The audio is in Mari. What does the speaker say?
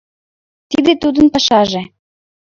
Тиде тудын пашаже!